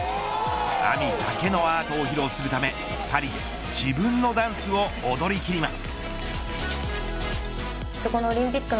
Ａｍｉだけのアートを披露するためパリで自分のダンスを踊り切ります。